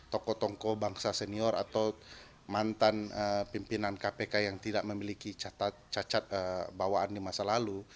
tokoh tokoh bangsa senior atau mantan pimpinan kpk yang tidak memiliki cacat bawaan di masa lalu